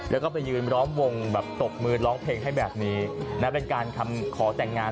แล้วก็ไปยืนล้อมวงแบบตบมือร้องเพลงให้แบบนี้นะเป็นการคำขอแต่งงาน